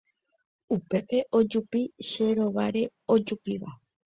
Upépe ojupi che rováre ojupíva